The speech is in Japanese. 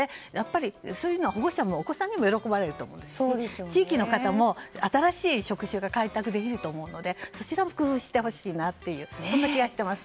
そういうのはやっぱりお子さんにも喜ばれると思いますし地域の方も新しい職種を開拓できると思うのでそちらを工夫してほしいなとそんな気がしています。